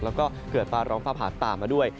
แล้วก็เกิดฟ้าร้องฟ้าผ่าตามมาด้วย